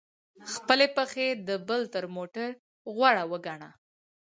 خپلي پښې د بل تر موټر غوره وګڼه!